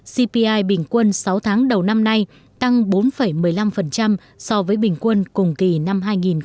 cpi bình quân sáu tháng đầu năm nay tăng bốn một mươi năm so với bình quân cùng kỳ năm hai nghìn một mươi tám